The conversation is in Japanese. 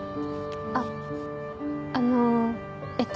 あっあのえっと